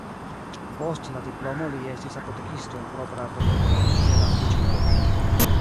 Post la diplomo li estis apotekisto en propra apoteko en sia naskiĝurbo.